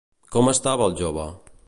Com estava el jove?